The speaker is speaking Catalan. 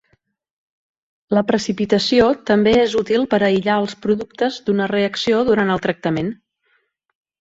La precipitació també és útil per aïllar els productes d'una reacció durant el tractament.